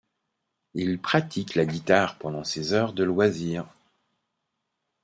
Il pratique la guitare pendant ses heures de loisirs.